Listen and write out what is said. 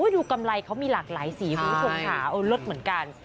ดูกำไรเขามีหลากหลายสีหูฝงหาเอาเลิศเหมือนกัน